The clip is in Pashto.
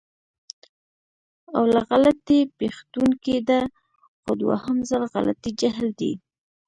اوله غلطي پېښدونکې ده، خو دوهم ځل غلطي جهل دی.